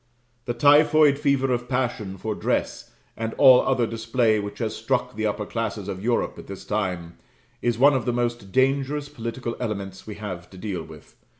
The typhoid fever of passion for dress, and all other display, which has struck the upper classes of Europe at this time, is one of the most dangerous political elements we have to deal with.